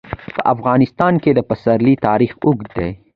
په افغانستان کې د پسرلی تاریخ اوږد دی.